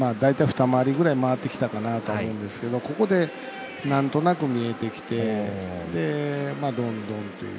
２回りぐらい回ってきたかなって思うんですけどここでなんとなく見えてきてどんどんという。